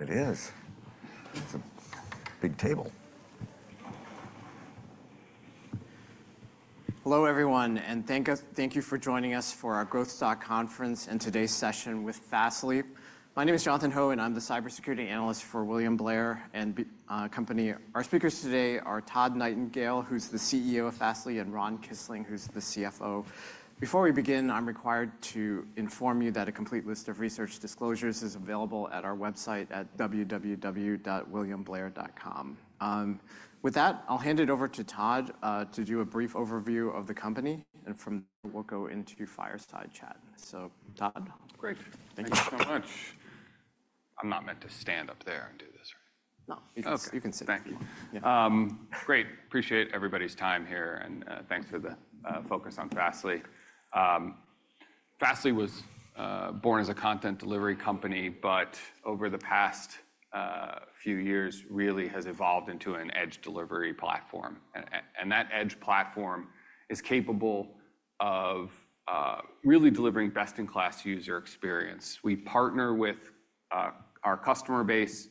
It is. It's a big table. Hello, everyone, and thank you for joining us for our Growth Stock Conference and today's session with Fastly. My name is Jonathan Ho, and I'm the cybersecurity analyst for William Blair and Company. Our speakers today are Todd Nightingale, who's the CEO of Fastly, and Ron Kisling, who's the CFO. Before we begin, I'm required to inform you that a complete list of research disclosures is available at our website at www.williamblair.com. With that, I'll hand it over to Todd to do a brief overview of the company, and from there we'll go into fireside chat. So, Todd. Great. Thank you so much. I'm not meant to stand up there and do this. No, you can sit. Thank you. Great. Appreciate everybody's time here, and thanks for the focus on Fastly. Fastly was born as a content delivery company, but over the past few years really has evolved into an edge delivery platform. That edge platform is capable of really delivering best-in-class user experience. We partner with our customer base,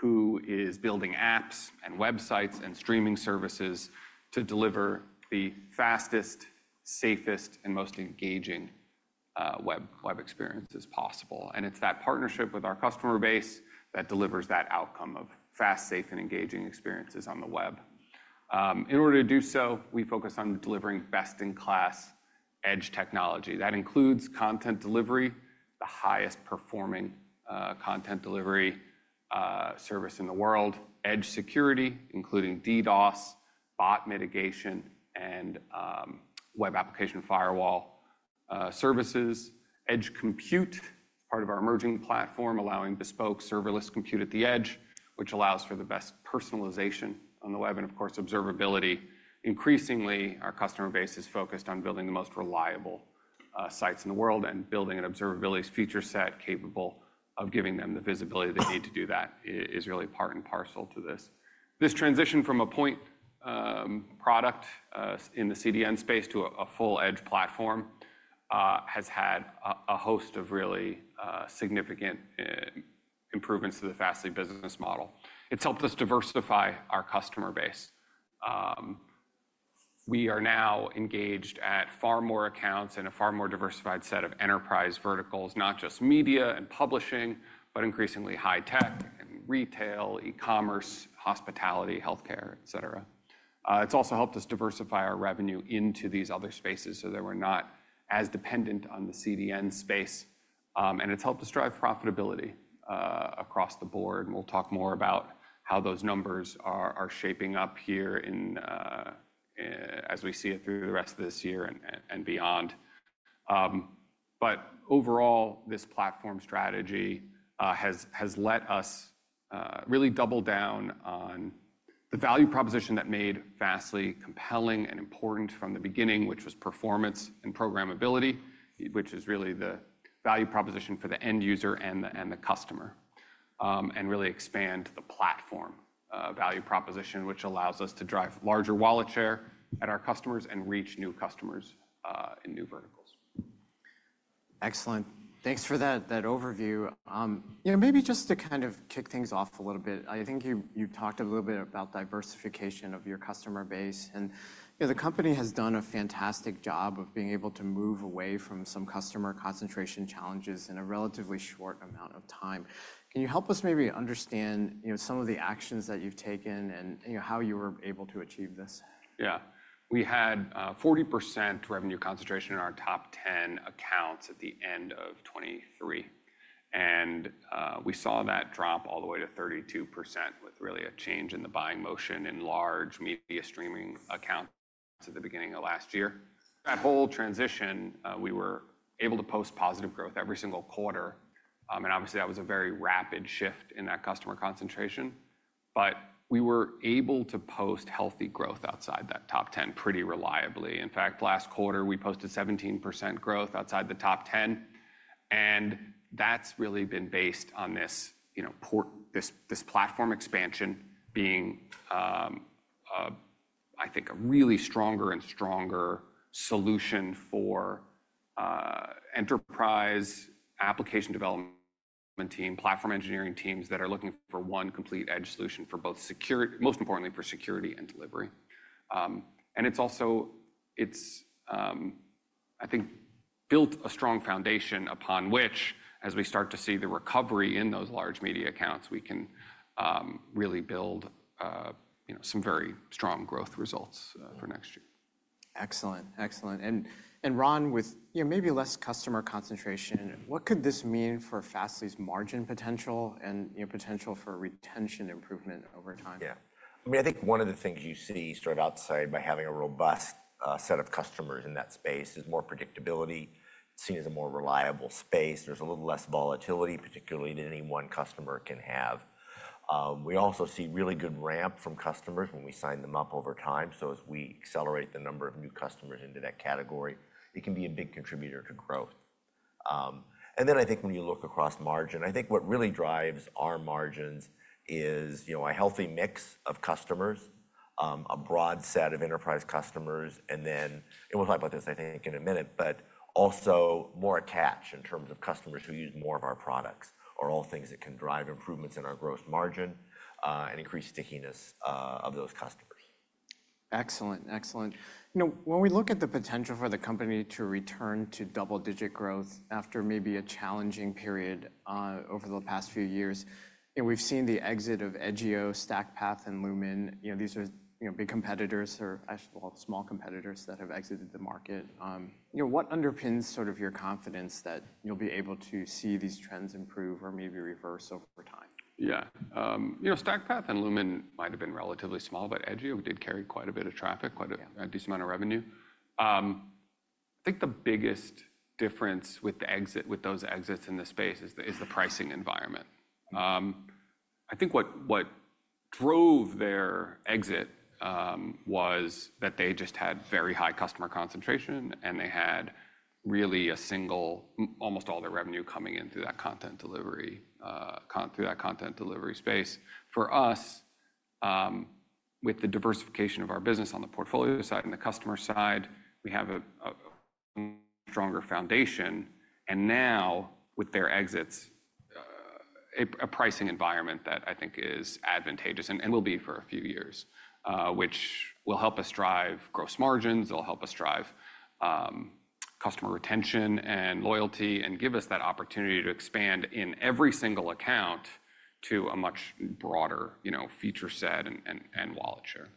who is building apps and websites and streaming services to deliver the fastest, safest, and most engaging web experiences possible. It is that partnership with our customer base that delivers that outcome of fast, safe, and engaging experiences on the web. In order to do so, we focus on delivering best-in-class edge technology. That includes content delivery, the highest-performing content delivery service in the world, edge security, including DDoS, bot mitigation, and web application firewall services. Edge compute is part of our emerging platform, allowing bespoke serverless compute at the edge, which allows for the best personalization on the web and, of course, observability. Increasingly, our customer base is focused on building the most reliable sites in the world and building an observability feature set capable of giving them the visibility they need to do that is really part and parcel to this. This transition from a point product in the CDN space to a full edge platform has had a host of really significant improvements to the Fastly business model. It's helped us diversify our customer base. We are now engaged at far more accounts and a far more diversified set of enterprise verticals, not just media and publishing, but increasingly high tech and retail, e-commerce, hospitality, health care, et cetera. It’s also helped us diversify our revenue into these other spaces so that we’re not as dependent on the CDN space. It’s helped us drive profitability across the board. We’ll talk more about how those numbers are shaping up here as we see it through the rest of this year and beyond. Overall, this platform strategy has let us really double down on the value proposition that made Fastly compelling and important from the beginning, which was performance and programmability, which is really the value proposition for the end user and the customer, and really expand the platform value proposition, which allows us to drive larger wallet share at our customers and reach new customers in new verticals. Excellent. Thanks for that overview. Maybe just to kind of kick things off a little bit, I think you talked a little bit about diversification of your customer base. The company has done a fantastic job of being able to move away from some customer concentration challenges in a relatively short amount of time. Can you help us maybe understand some of the actions that you've taken and how you were able to achieve this? Yeah. We had 40% revenue concentration in our top 10 accounts at the end of 2023. We saw that drop all the way to 32% with really a change in the buying motion in large media streaming accounts at the beginning of last year. That whole transition, we were able to post positive growth every single quarter. Obviously, that was a very rapid shift in that customer concentration. We were able to post healthy growth outside that top 10 pretty reliably. In fact, last quarter, we posted 17% growth outside the top 10. That has really been based on this platform expansion being, I think, a really stronger and stronger solution for enterprise application development team, platform engineering teams that are looking for one complete edge solution for both, most importantly, for security and delivery. I think it's also built a strong foundation upon which, as we start to see the recovery in those large media accounts, we can really build some very strong growth results for next year. Excellent. Excellent. Ron, with maybe less customer concentration, what could this mean for Fastly's margin potential and potential for retention improvement over time? Yeah. I mean, I think one of the things you see straight outside by having a robust set of customers in that space is more predictability. It's seen as a more reliable space. There's a little less volatility, particularly than any one customer can have. We also see really good ramp from customers when we sign them up over time. As we accelerate the number of new customers into that category, it can be a big contributor to growth. I think when you look across margin, I think what really drives our margins is a healthy mix of customers, a broad set of enterprise customers. We will talk about this, I think, in a minute, but also more attached in terms of customers who use more of our products are all things that can drive improvements in our gross margin and increase stickiness of those customers. Excellent. Excellent. When we look at the potential for the company to return to double-digit growth after maybe a challenging period over the past few years, we've seen the exit of Edgio, StackPath, and Lumen. These are big competitors or small competitors that have exited the market. What underpins sort of your confidence that you'll be able to see these trends improve or maybe reverse over time? Yeah. StackPath and Lumen might have been relatively small, but Edgio did carry quite a bit of traffic, quite a decent amount of revenue. I think the biggest difference with those exits in the space is the pricing environment. I think what drove their exit was that they just had very high customer concentration, and they had really almost all their revenue coming in through that content delivery space. For us, with the diversification of our business on the portfolio side and the customer side, we have a stronger foundation. Now, with their exits, a pricing environment that I think is advantageous and will be for a few years, which will help us drive gross margins. It'll help us drive customer retention and loyalty and give us that opportunity to expand in every single account to a much broader feature set and wallet share.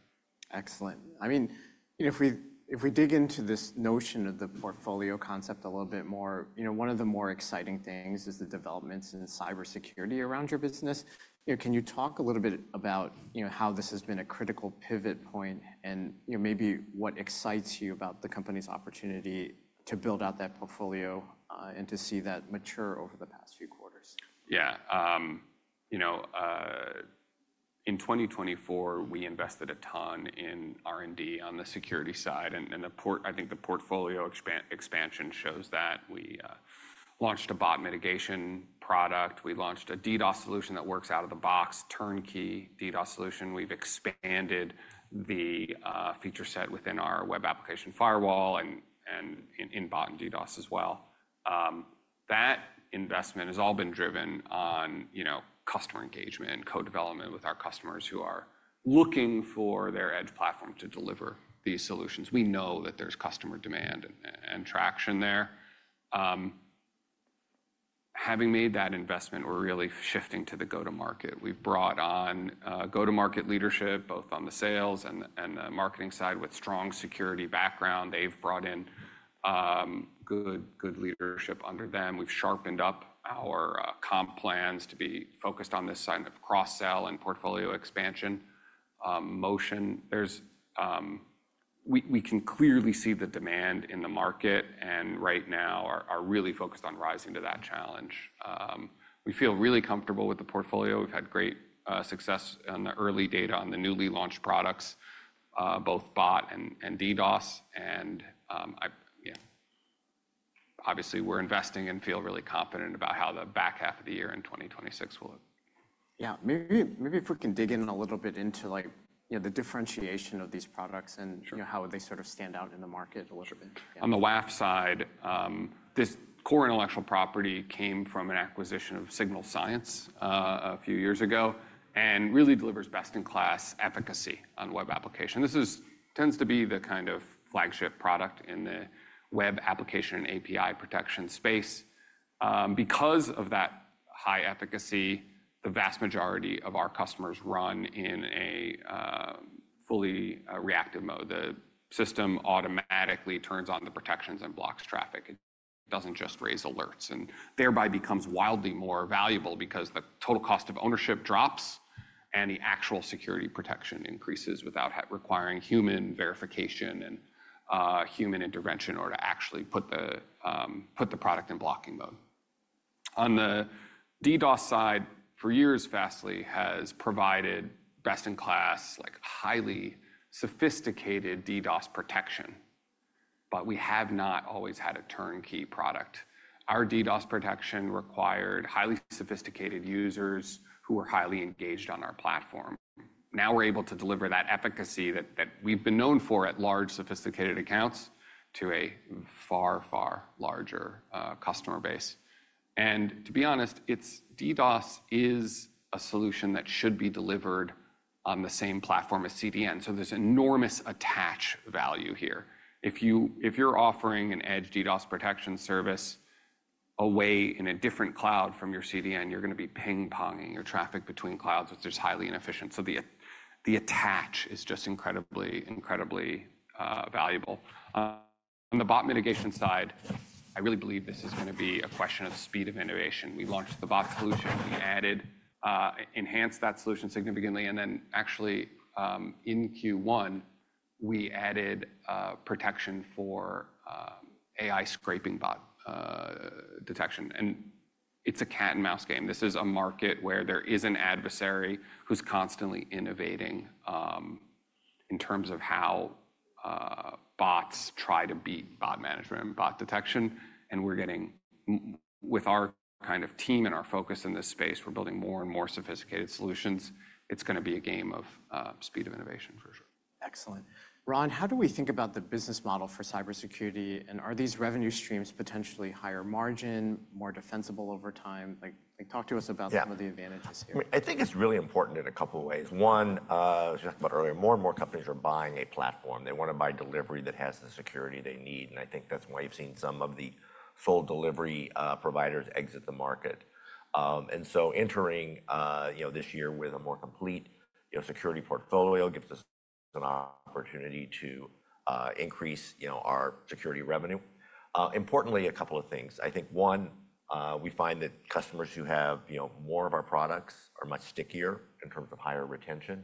Excellent. I mean, if we dig into this notion of the portfolio concept a little bit more, one of the more exciting things is the developments in cybersecurity around your business. Can you talk a little bit about how this has been a critical pivot point and maybe what excites you about the company's opportunity to build out that portfolio and to see that mature over the past few quarters? Yeah. In 2024, we invested a ton in R&D on the security side. I think the portfolio expansion shows that. We launched a bot mitigation product. We launched a DDoS solution that works out of the box, turnkey DDoS solution. We have expanded the feature set within our web application firewall and in bot and DDoS as well. That investment has all been driven on customer engagement and co-development with our customers who are looking for their edge platform to deliver these solutions. We know that there is customer demand and traction there. Having made that investment, we are really shifting to the go-to-market. We have brought on go-to-market leadership, both on the sales and the marketing side with strong security background. They have brought in good leadership under them. We have sharpened up our comp plans to be focused on this side of cross-sell and portfolio expansion motion. We can clearly see the demand in the market, and right now are really focused on rising to that challenge. We feel really comfortable with the portfolio. We've had great success on the early data on the newly launched products, both Bot Mitigation and DDoS. Obviously, we're investing and feel really confident about how the back half of the year in 2026 will. Yeah. Maybe if we can dig in a little bit into the differentiation of these products and how they sort of stand out in the market a little bit. On the WAF side, this core intellectual property came from an acquisition of Signal Sciences a few years ago and really delivers best-in-class efficacy on web application. This tends to be the kind of flagship product in the web application API protection space. Because of that high efficacy, the vast majority of our customers run in a fully reactive mode. The system automatically turns on the protections and blocks traffic. It does not just raise alerts and thereby becomes wildly more valuable because the total cost of ownership drops and the actual security protection increases without requiring human verification and human intervention or to actually put the product in blocking mode. On the DDoS side, for years, Fastly has provided best-in-class, highly sophisticated DDoS protection, but we have not always had a turnkey product. Our DDoS protection required highly sophisticated users who were highly engaged on our platform. Now we're able to deliver that efficacy that we've been known for at large sophisticated accounts to a far, far larger customer base. To be honest, DDoS is a solution that should be delivered on the same platform as CDN. There is enormous attach value here. If you're offering an edge DDoS protection service away in a different cloud from your CDN, you're going to be ping-ponging your traffic between clouds, which is highly inefficient. The attach is just incredibly valuable. On the bot mitigation side, I really believe this is going to be a question of speed of innovation. We launched the bot solution. We enhanced that solution significantly. In Q1, we added protection for AI scraping bot detection. It's a cat-and-mouse game. This is a market where there is an adversary who's constantly innovating in terms of how bots try to beat bot management and bot detection. With our kind of team and our focus in this space, we're building more and more sophisticated solutions. It's going to be a game of speed of innovation, for sure. Excellent. Ron, how do we think about the business model for cybersecurity? Are these revenue streams potentially higher margin, more defensible over time? Talk to us about some of the advantages here. I think it's really important in a couple of ways. One, as we talked about earlier, more and more companies are buying a platform. They want to buy delivery that has the security they need. I think that's why you've seen some of the sole delivery providers exit the market. Entering this year with a more complete security portfolio gives us an opportunity to increase our security revenue. Importantly, a couple of things. I think, one, we find that customers who have more of our products are much stickier in terms of higher retention.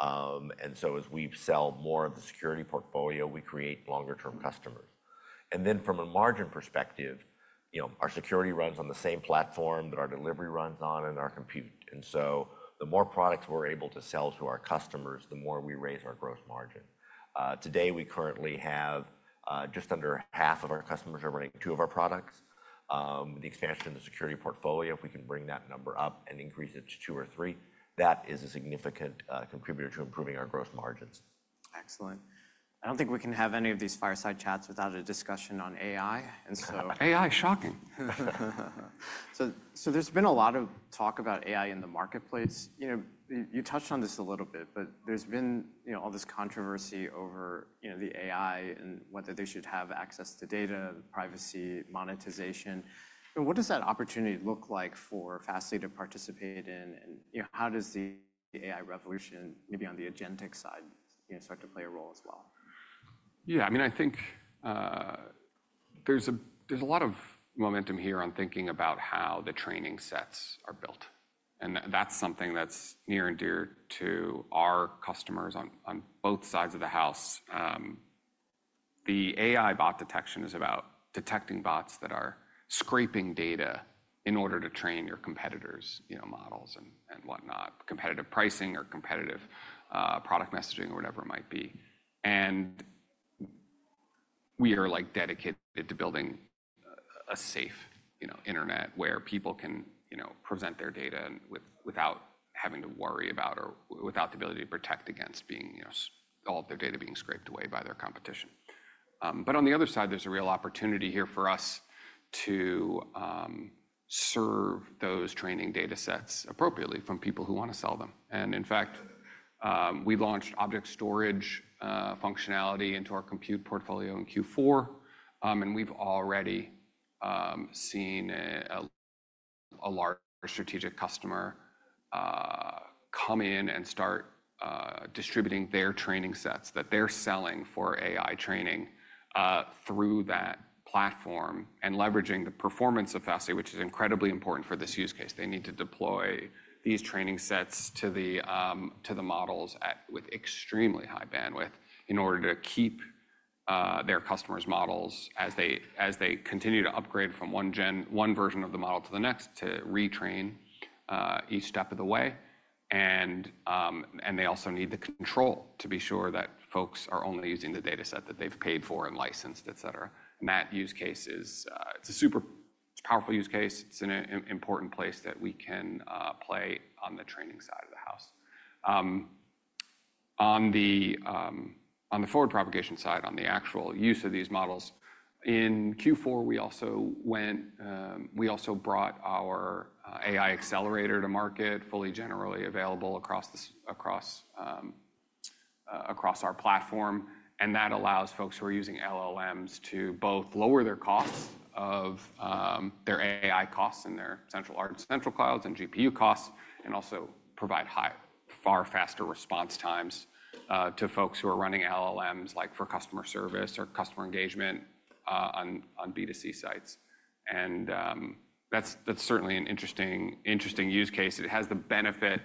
As we sell more of the security portfolio, we create longer-term customers. From a margin perspective, our security runs on the same platform that our delivery runs on and our compute. The more products we're able to sell to our customers, the more we raise our gross margin. Today, we currently have just under half of our customers running two of our products. With the expansion of the security portfolio, if we can bring that number up and increase it to two or three, that is a significant contributor to improving our gross margins. Excellent. I don't think we can have any of these fireside chats without a discussion on AI. And so. AI is shocking. There's been a lot of talk about AI in the marketplace. You touched on this a little bit, but there's been all this controversy over the AI and whether they should have access to data, privacy, monetization. What does that opportunity look like for Fastly to participate in? How does the AI revolution, maybe on the agentic side, start to play a role as well? Yeah. I mean, I think there's a lot of momentum here on thinking about how the training sets are built. And that's something that's near and dear to our customers on both sides of the house. The AI bot detection is about detecting bots that are scraping data in order to train your competitors' models and whatnot, competitive pricing or competitive product messaging or whatever it might be. We are dedicated to building a safe internet where people can present their data without having to worry about or without the ability to protect against all of their data being scraped away by their competition. On the other side, there's a real opportunity here for us to serve those training data sets appropriately from people who want to sell them. In fact, we launched object storage functionality into our compute portfolio in Q4. We have already seen a large strategic customer come in and start distributing their training sets that they are selling for AI training through that platform and leveraging the performance of Fastly, which is incredibly important for this use case. They need to deploy these training sets to the models with extremely high bandwidth in order to keep their customers' models as they continue to upgrade from one version of the model to the next to retrain each step of the way. They also need the control to be sure that folks are only using the data set that they have paid for and licensed, et cetera. That use case is a super powerful use case. It is an important place that we can play on the training side of the house. On the forward propagation side, on the actual use of these models, in Q4, we also brought our AI Accelerator to market, fully generally available across our platform. That allows folks who are using LLMs to both lower their costs of their AI costs in their central clouds and GPU costs and also provide far faster response times to folks who are running LLMs like for customer service or customer engagement on B2C sites. That is certainly an interesting use case. It has the benefit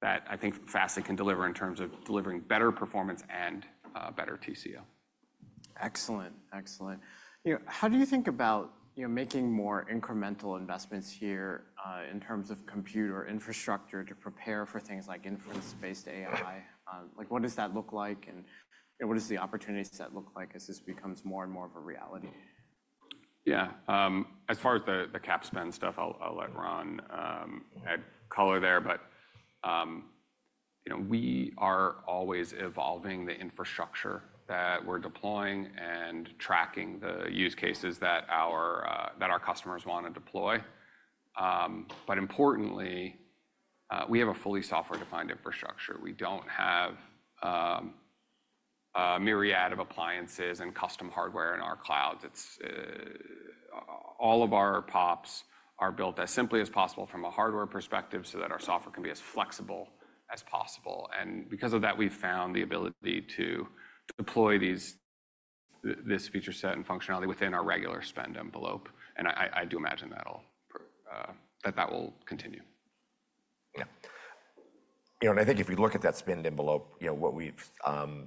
that I think Fastly can deliver in terms of delivering better performance and better TCO. Excellent. Excellent. How do you think about making more incremental investments here in terms of compute or infrastructure to prepare for things like inference-based AI? What does that look like? What does the opportunity set look like as this becomes more and more of a reality? Yeah. As far as the CapEx spend stuff, I'll let Ron add color there. We are always evolving the infrastructure that we're deploying and tracking the use cases that our customers want to deploy. Importantly, we have a fully software-defined infrastructure. We don't have a myriad of appliances and custom hardware in our clouds. All of our POPs are built as simply as possible from a hardware perspective so that our software can be as flexible as possible. Because of that, we've found the ability to deploy this feature set and functionality within our regular spend envelope. I do imagine that that will continue. Yeah. I think if you look at that spend envelope, what we've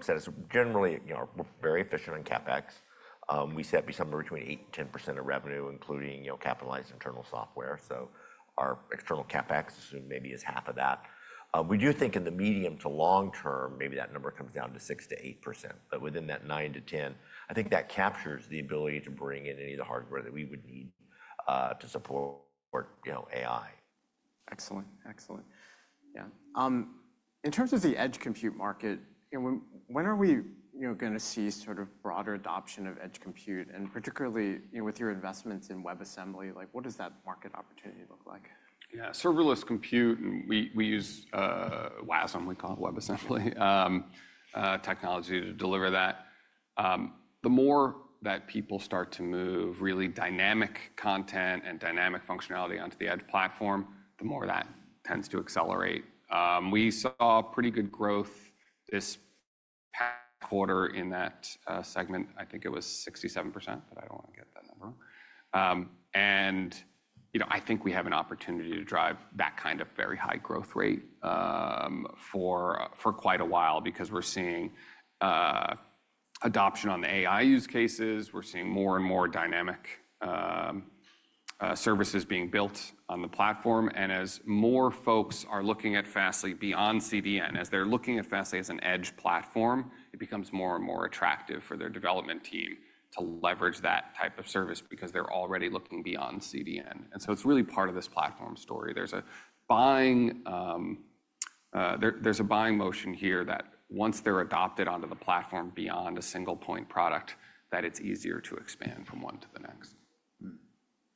said is generally we're very efficient on CapEx. We set somewhere between 8%-10% of revenue, including capitalized internal software. Our external CapEx assumed maybe is half of that. We do think in the medium to long-term, maybe that number comes down to 6%-8%. Within that 9%-10%, I think that captures the ability to bring in any of the hardware that we would need to support AI. Excellent. Excellent. Yeah. In terms of the edge compute market, when are we going to see sort of broader adoption of edge compute? And particularly with your investments in WebAssembly, what does that market opportunity look like? Yeah. Serverless compute, we use WASM, we call it WebAssembly technology to deliver that. The more that people start to move really dynamic content and dynamic functionality onto the edge platform, the more that tends to accelerate. We saw pretty good growth this past quarter in that segment. I think it was 67%, but I don't want to get that number. I think we have an opportunity to drive that kind of very high growth rate for quite a while because we're seeing adoption on the AI use cases. We're seeing more and more dynamic services being built on the platform. As more folks are looking at Fastly beyond CDN, as they're looking at Fastly as an edge platform, it becomes more and more attractive for their development team to leverage that type of service because they're already looking beyond CDN. It is really part of this platform story. There is a buying motion here that once they are adopted onto the platform beyond a single point product, that it is easier to expand from one to the next.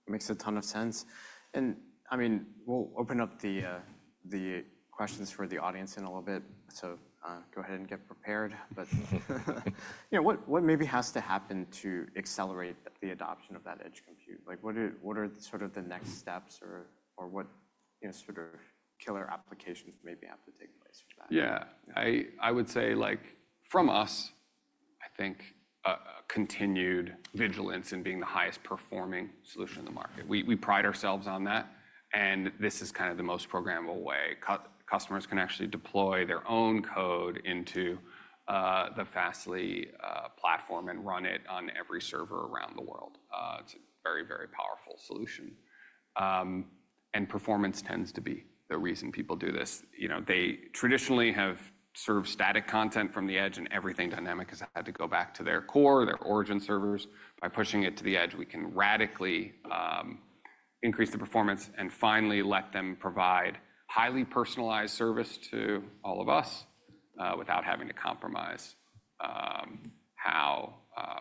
Makes a ton of sense. I mean, we'll open up the questions for the audience in a little bit. Go ahead and get prepared. What maybe has to happen to accelerate the adoption of that edge compute? What are sort of the next steps or what sort of killer applications maybe have to take place for that? Yeah. I would say from us, I think continued vigilance in being the highest performing solution in the market. We pride ourselves on that. This is kind of the most programmable way. Customers can actually deploy their own code into the Fastly platform and run it on every server around the world. It is a very, very powerful solution. Performance tends to be the reason people do this. They traditionally have served static content from the edge, and everything dynamic has had to go back to their core, their origin servers. By pushing it to the edge, we can radically increase the performance and finally let them provide highly personalized service to all of us without having to compromise how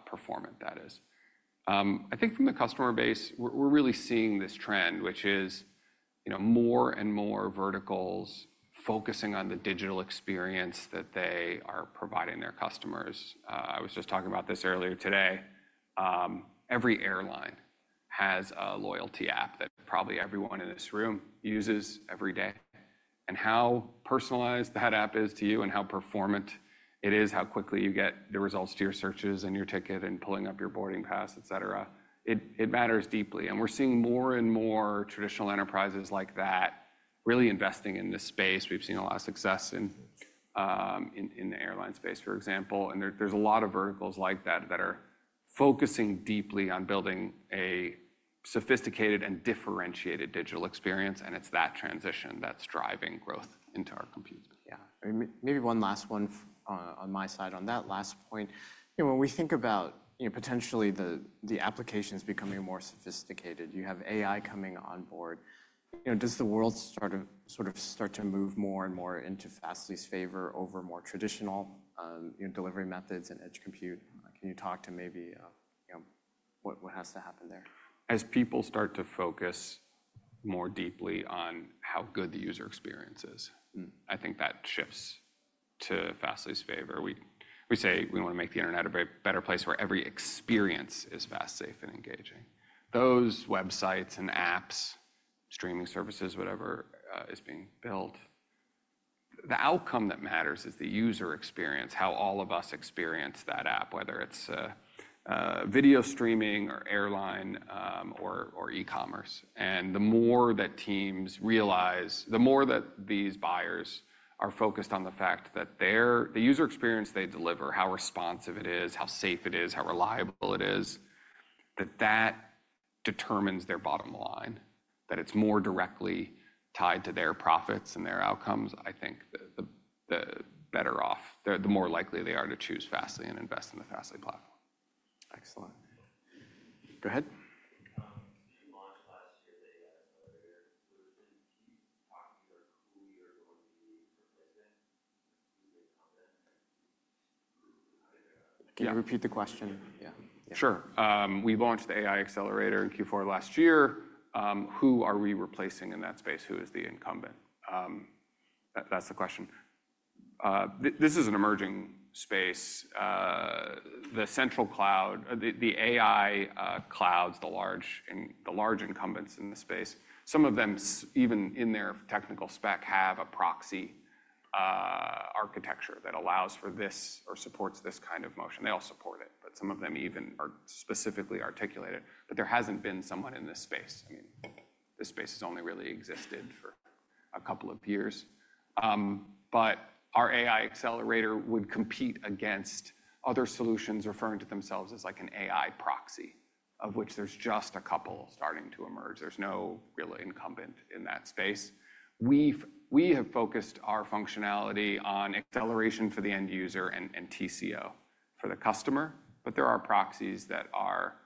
performant that is. I think from the customer base, we're really seeing this trend, which is more and more verticals focusing on the digital experience that they are providing their customers. I was just talking about this earlier today. Every airline has a loyalty app that probably everyone in this room uses every day. How personalized that app is to you and how performant it is, how quickly you get the results to your searches and your ticket and pulling up your boarding pass, et cetera, it matters deeply. We're seeing more and more traditional enterprises like that really investing in this space. We've seen a lot of success in the airline space, for example. There are a lot of verticals like that that are focusing deeply on building a sophisticated and differentiated digital experience. It is that transition that is driving growth into our compute. Yeah. Maybe one last one on my side on that last point. When we think about potentially the applications becoming more sophisticated, you have AI coming on board. Does the world sort of start to move more and more into Fastly's favor over more traditional delivery methods and edge compute? Can you talk to maybe what has to happen there? As people start to focus more deeply on how good the user experience is, I think that shifts to Fastly's favor. We say we want to make the internet a better place where every experience is fast, safe, and engaging. Those websites and apps, streaming services, whatever is being built, the outcome that matters is the user experience, how all of us experience that app, whether it's video streaming or airline or e-commerce. The more that teams realize, the more that these buyers are focused on the fact that the user experience they deliver, how responsive it is, how safe it is, how reliable it is, that that determines their bottom line, that it's more directly tied to their profits and their outcomes, I think the more likely they are to choose Fastly and invest in the Fastly platform. Excellent. Go ahead. Can you repeat the question? Yeah. Sure. We launched the AI Accelerator in Q4 last year. Who are we replacing in that space? Who is the incumbent? That's the question. This is an emerging space. The central cloud, the AI clouds, the large incumbents in the space, some of them even in their technical spec have a proxy architecture that allows for this or supports this kind of motion. They all support it, but some of them even are specifically articulated. There hasn't been someone in this space. I mean, this space has only really existed for a couple of years. Our AI Accelerator would compete against other solutions referring to themselves as like an AI proxy, of which there's just a couple starting to emerge. There's no real incumbent in that space. We have focused our functionality on acceleration for the end user and TCO for the customer. There are proxies that are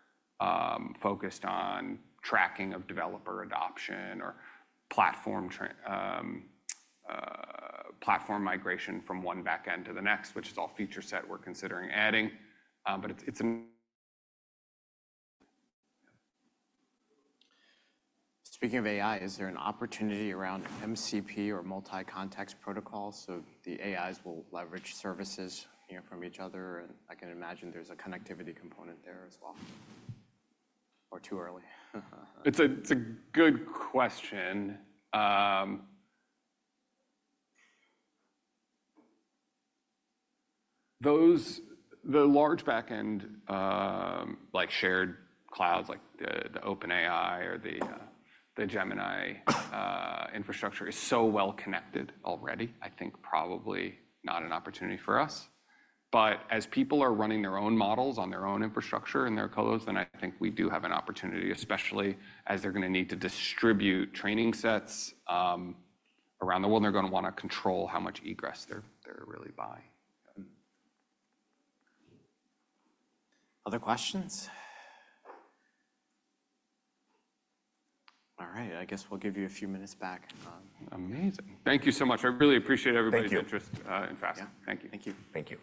focused on tracking of developer adoption or platform migration from one backend to the next, which is all feature set we're considering adding. But it's an. Speaking of AI, is there an opportunity around MCP or multi-context protocols so the AIs will leverage services from each other? I can imagine there's a connectivity component there as well. Or too early? It's a good question. The large backend, like shared clouds like the OpenAI or the Gemini infrastructure, is so well connected already, I think probably not an opportunity for us. As people are running their own models on their own infrastructure and their codes, then I think we do have an opportunity, especially as they're going to need to distribute training sets around the world, and they're going to want to control how much egress they're really buying. Other questions? All right. I guess we'll give you a few minutes back. Amazing. Thank you so much. I really appreciate everybody's interest in Fastly. Thank you. Thank you.